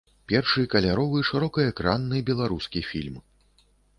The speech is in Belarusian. Першы каляровы шырокаэкранны беларускі фільм.